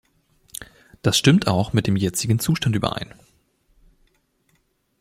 Das stimmt auch mit dem jetzigen Zustand überein.